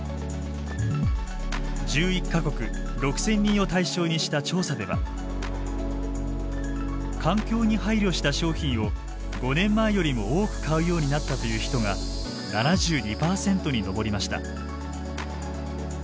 １１か国６，０００人を対象にした調査では環境に配慮した商品を５年前よりも多く買うようになったという人が７２％に上りました。